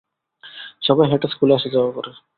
সবাই হেঁটে স্কুলে আসা-যাওয়া করে।